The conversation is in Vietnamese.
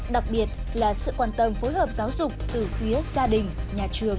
đặc biệt là sự quan tâm phối hợp giáo dục từ phía gia đình nhà trường